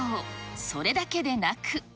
それだけでなく。